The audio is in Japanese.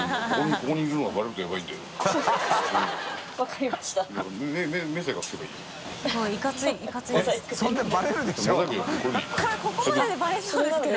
これここまででバレそうですけど。